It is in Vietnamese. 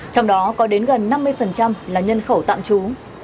trong đó có đến gần năm mươi là nhân khẩu tạm trú